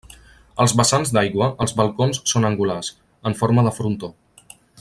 Els vessants d'aigua els balcons són angulars, en forma de frontó.